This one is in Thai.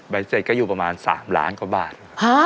เสร็จก็อยู่ประมาณ๓ล้านกว่าบาท